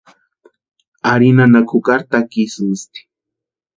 Ari nanaka jukari takisïsti.